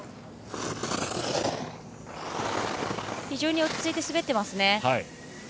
非常に落ち着いて滑っています。